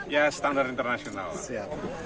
ya standar internasional lah